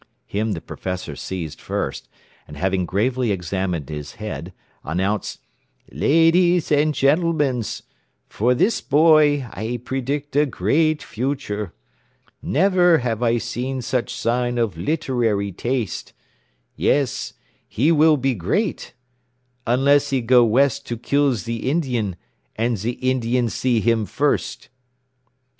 Him the professor seized first, and having gravely examined his head, announced, "Ladees and gentlemans, for this boy I predict a great future. Never have I seen such sign of literary taste. Yes, he will be great unless he go west to kill ze Indian, and ze Indian see him first."